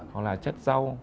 hoặc là chất rau